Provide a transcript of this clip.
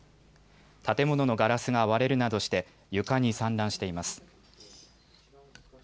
建物のガラスが割れるなどして床に散乱しています。